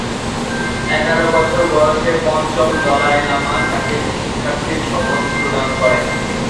এগারো বছর বয়সে পঞ্চম দলাই লামা তাকে শিক্ষার্থীর শপথ প্রদান করেন।